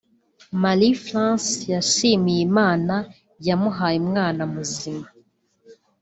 Marie France yashimiye Imana yamuhaye umwana muzima